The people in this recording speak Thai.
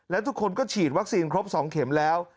และทุกคนก็ฉีดวัคซีนครบ๒เข็มแล้ว